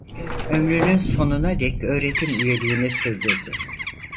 Ömrünün sonuna dek öğretim üyeliğini sürdürdü.